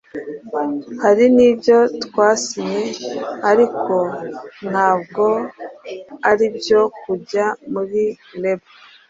hari n’ibyo twasinye ariko ntabwo ari ibyo kujya muri label